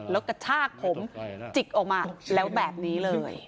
แล้วกระชากผมจิกออกมาแล้วแบบนี้เลย